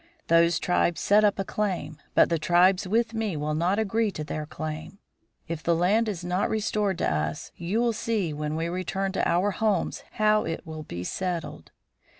Those tribes set up a claim, but the tribes with me will not agree to their claim. If the land is not restored to us you will see when we return to our homes how it will be settled.